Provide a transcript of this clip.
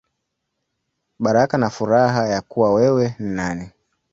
Baraka na Furaha Ya Kuwa Wewe Ni Nani.